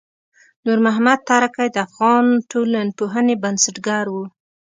نورمحمد ترکی د افغان ټولنپوهنې بنسټګر و.